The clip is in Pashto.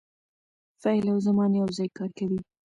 فعل او زمان یو ځای کار کوي.